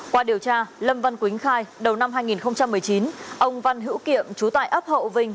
qua điều tra lâm văn quýnh khai đầu năm hai nghìn một mươi chín ông văn hữu kiệm trú tại ấp hậu vinh